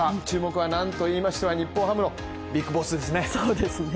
注目はなんといいましても日本ハムのビッグボスですね。